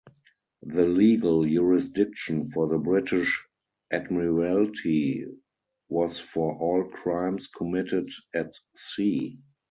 The legal jurisdiction for the British Admiralty was for all crimes committed at sea.